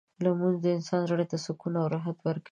لمونځ د انسان زړه ته سکون او راحت ورکوي.